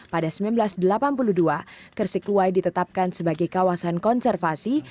pada seribu sembilan ratus delapan puluh dua kersikluwai ditetapkan sebagai kawasan konservasi